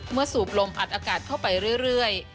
สูบลมอัดอากาศเข้าไปเรื่อย